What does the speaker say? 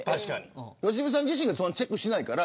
良純さんはチェックしないから。